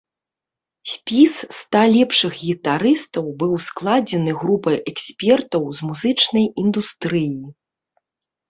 Спіс ста лепшых гітарыстаў быў складзены групай экспертаў з музычнай індустрыі.